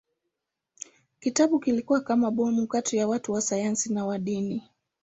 Kitabu kilikuwa kama bomu kati ya watu wa sayansi na wa dini.